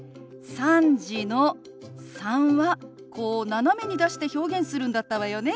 「３時」の「３」はこう斜めに出して表現するんだったわよね。